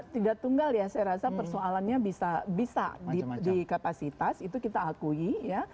tidak tunggal ya saya rasa persoalannya bisa di kapasitas itu kita akui ya